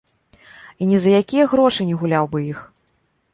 І ні за якія грошы не гуляў бы іх.